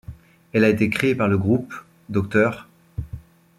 Elle a été créée par le groupe Dr.